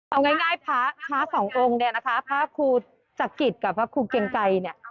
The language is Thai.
เอาง่ายพระสององค์พระครูจักริตกับพระครูเกงไกร